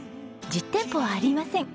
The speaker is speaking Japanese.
実店舗はありません。